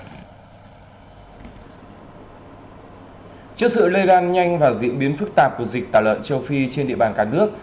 trước sự lây lan nhanh và diễn biến phức tạp của dịch tả lợn châu phi trên địa bàn cả nước